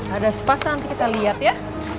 ada sepas nanti kita liat ya